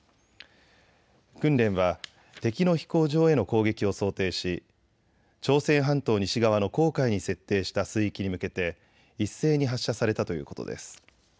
訓練は敵の飛行場への攻撃を想定し朝鮮半島西側の黄海に設定した水域に向けて一斉に発射されたということです。